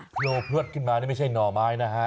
โพรวดขึ้นมานี่ไม่ใช่หน่อไม้นะครับ